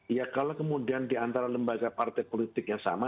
ya kalau kemudian di antara lembaga partai politik yang sama